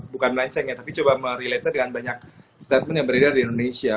bukan melenceng ya tapi coba merelate nya dengan banyak statement yang beredar di indonesia